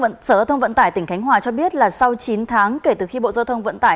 sở thông vận tải tỉnh khánh hòa cho biết là sau chín tháng kể từ khi bộ giao thông vận tải